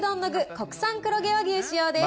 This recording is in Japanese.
国産黒毛和牛使用です。